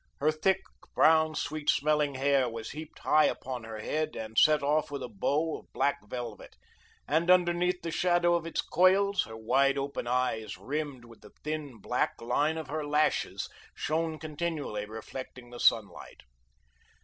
Her thick, brown, sweet smelling hair was heaped high upon her head and set off with a bow of black velvet, and underneath the shadow of its coils, her wide open eyes, rimmed with the thin, black line of her lashes, shone continually, reflecting the sunlight.